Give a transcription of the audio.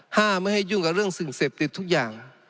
ห้ามไม่ให้ยุ่งกับเรื่องสิ่งเสพติดทุกอย่าง